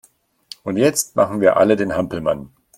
Und jetzt machen wir alle den Hampelmann!